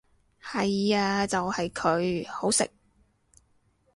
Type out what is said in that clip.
係呀就係佢，好食！